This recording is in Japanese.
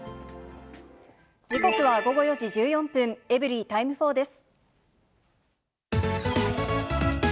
時刻は午後４時１４分、エブリィタイム４です。